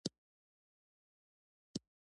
هندوانه د معدې درد لپاره مفیده ده.